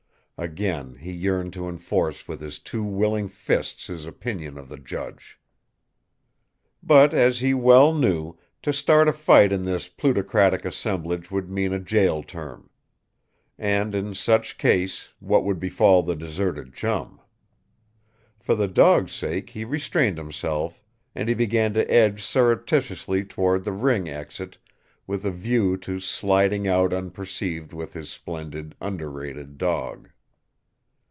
Again he yearned to enforce with his two willing fists his opinion of the judge. But, as he well knew, to start a fight in this plutocratic assemblage would mean a jail term. And in such case, what would befall the deserted Chum? For the dog's sake he restrained himself, and he began to edge surreptitiously toward the ring exit, with a view to sliding out unperceived with his splendid, underrated dog.